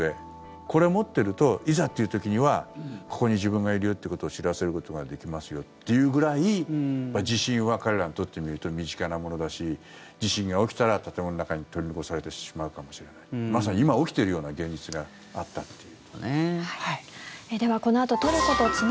これを持ってるといざという時にはここに自分がいるよっていうことを知らせることができますよっていうぐらい地震は彼らにとってみると身近なものだし地震が起きたら建物の中に取り残されてしまうかもしれないまさに今起きているような現実があったっていう。